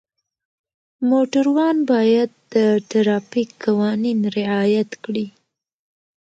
موټروان باید د ټرافیک قوانین رعایت کړي.